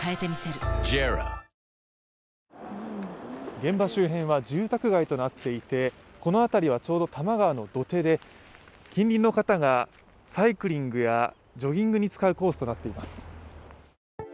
現場周辺は住宅街となっていてこの辺りはちょうど多摩川の土手で近隣の方がサイクリングやジョギングに使うコースとなっています。